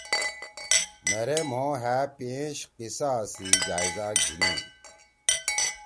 مھیرے مھو ہأ پیئنش قصہ سی جائزہ گھیِنی۔